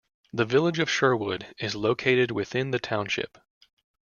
The village of Sherwood is located within the township.